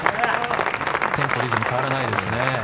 テンポ、リズム変わらないですね。